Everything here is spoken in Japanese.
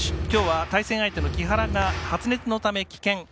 きょうは、対戦相手の木原が発熱のため棄権。